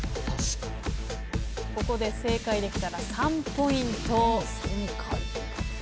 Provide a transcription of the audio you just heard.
ここで正解できたら３ポイント。